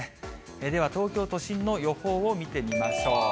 では東京都心の予報を見てみましょう。